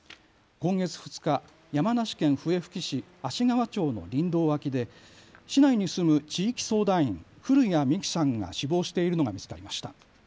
今月２日、山梨県笛吹市芦川町の林道脇で市内に住む地域相談員、古屋美紀さんが死亡しているのが見つかりました。